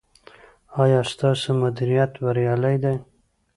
ایا ستاسو مدیریت بریالی دی؟